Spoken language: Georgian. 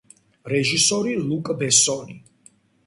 რეჟისორი ლუკ ბესონი.